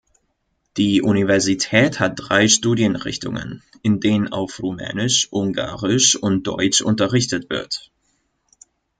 Die Universität hat drei Studienrichtungen, in denen auf Rumänisch, Ungarisch und Deutsch unterrichtet wird.